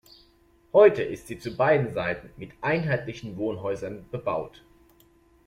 Heute ist sie zu beiden Seiten mit einheitlichen Wohnhäusern bebaut.